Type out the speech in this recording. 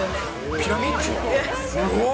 ピラミッド？